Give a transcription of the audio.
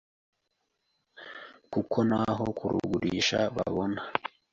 kuko ntaho kurugurisha babona.